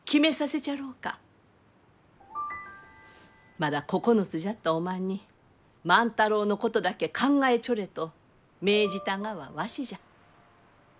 まだ９つじゃったおまんに万太郎のことだけ考えちょれと命じたがはわしじゃ。